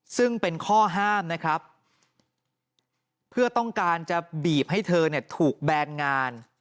ซึ่งเป็นข้อห้ามนะครับเพื่อต้องการจะบีบให้เธอเนี่ยถูกแบนงาน